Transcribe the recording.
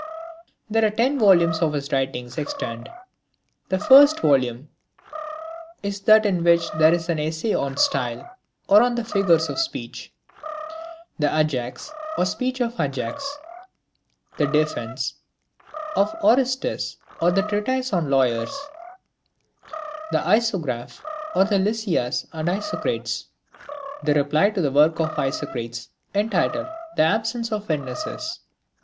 IX. There are ten volumes of his writings extant. The first volume is that in which there is the essay on Style, or on Figures of Speech; the Ajax, or speech of Ajax; the Defence, of Orestes or the treatise on Lawyers; the Isographe, or the Lysias arid Isocrates ; the reply to the work of Isocrates, entitled the Absence of Witnesses.